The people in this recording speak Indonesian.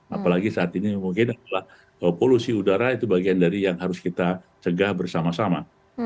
apalagi saat ini mungkin adalah polusi udara itu bagian dari yang harus kita cegah bersama sama